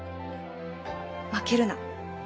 負けるな。